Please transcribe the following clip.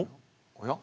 おや？